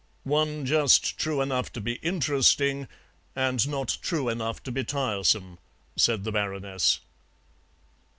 "One just true enough to be interesting and not true enough to be tiresome," said the Baroness.